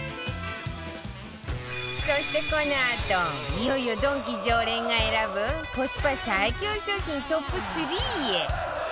そしてこのあといよいよドンキ常連が選ぶコスパ最強商品トップ３へ